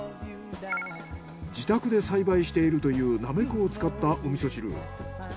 自宅で栽培しているというなめこを使ったお味噌汁。